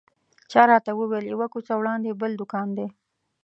چا راته وویل یوه کوڅه وړاندې بل دوکان دی.